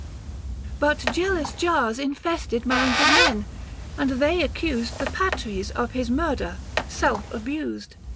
But jealous jars Infested minds of men ; and they accused The Patres of his murder, self abused.